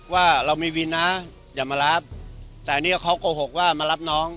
ว่าเรามีวินนะอย่ามารับแต่อันนี้เขาโกหกว่ามารับน้อง